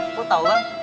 aku tau bang